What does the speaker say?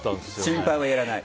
心配はいらない。